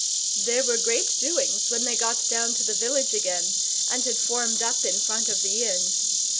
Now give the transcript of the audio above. There were great doings when they got down to the village again, and had formed up in front of the inn.